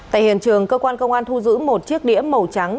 tại hiện trường cơ quan công an thu giữ một chiếc đĩa màu trắng